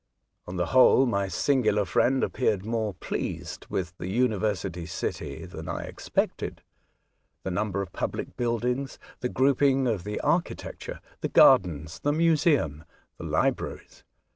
On tlie whole, my singular friend appeared more pleased with the university city than I expected ;— the number of public buildings, the grouping of the archi tecture, the gardens, the museum, the libraries.